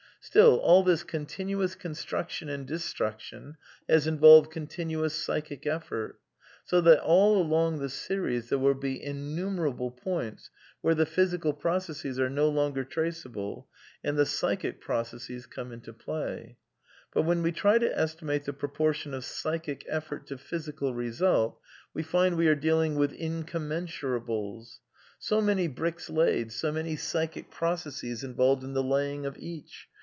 Still, all this continuous con struction and destruction has involved continuous psychie*^ effort ; so that all along the series there will be innumer able points where the physical processes are no longer trace able, and the psychic processes come into play. But when we try to estimate the proportion of psychic effort to physical result we find we are dealing with incom mensurables.*® So many bricks laid, so many psychic processes involved in the laying of each.